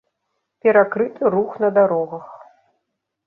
Перакрыты рух на дарогах.